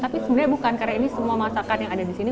tapi sebenarnya bukan karena ini semua masakan yang ada di sini